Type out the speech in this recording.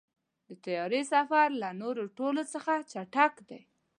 د طیارې سفر له نورو ټولو څخه چټک دی.